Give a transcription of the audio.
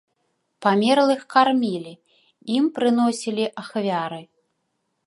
Памерлых кармілі, ім прыносілі ахвяры.